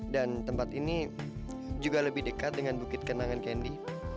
dan tempat ini juga lebih dekat dengan bukit kenangan candy